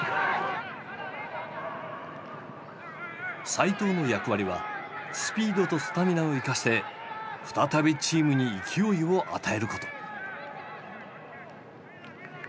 齋藤の役割はスピードとスタミナを生かして再びチームに勢いを与えること。